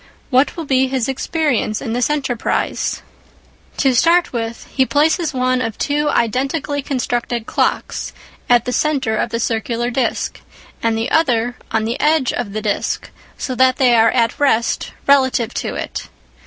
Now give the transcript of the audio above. What will be his experience in this enterprise ? To start with, he places one of two identically constructed clocks at the centre of the circular disc, and the other on the edge of the disc, so that they are at rest relative to it.